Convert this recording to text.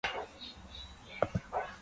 ہر طرف سطحیت ہے۔